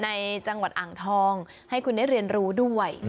ในจังหวัดอ่างทองให้คุณได้เรียนรู้ด้วย